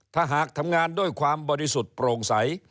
ถ้าหากทำงานด้วยความบริสุทธิ์โปร่งใส